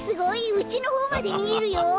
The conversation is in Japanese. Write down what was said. うちのほうまでみえるよ！